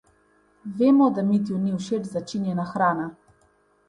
Vemo, da Mitju ni všeč začinjena hrana.